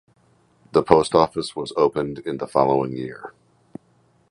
The post office was opened in the following year.